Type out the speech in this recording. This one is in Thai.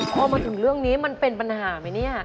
พอมาถึงเรื่องนี้มันเป็นปัญหาไหมเนี่ย